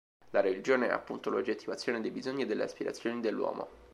La religione è appunto l'oggettivazione dei bisogni e delle aspirazioni dell'uomo.